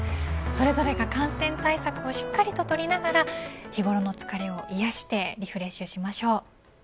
それぞれが感染対策をしっかりと取りながら日頃の疲れをいやしてリフレッシュしましょう。